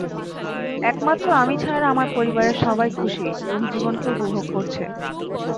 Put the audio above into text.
একমাত্র আমি ছাড়া আমার পরিবারের সবাই খুশি এবং জীবনকে উপভোগ করছে।